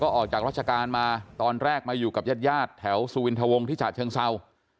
ออกจากราชการมาตอนแรกมาอยู่กับญาติญาติแถวสุวินทวงที่ฉะเชิงเศร้า